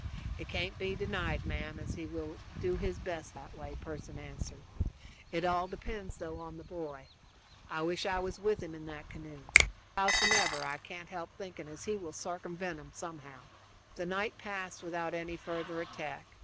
"It can't be denied, ma'am, as he will do his best that way," Pearson answered. "It all depends, though, on the boy. I wish I was with him in that canoe. Howsomever, I can't help thinking as he will sarcumvent 'em somehow." The night passed without any further attack.